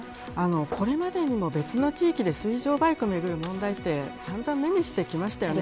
これまでにも別の地域で水上バイクをめぐる問題ってさんざん目ににしてきましたよね。